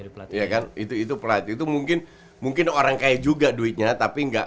berat ya iya kan itu itu pelatih itu mungkin mungkin orang kayak juga duitnya tapi enggak